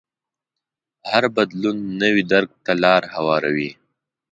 هر بدلون نوي درک ته لار هواروي.